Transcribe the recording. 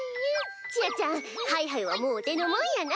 ちあちゃんハイハイはもうお手のもんやな。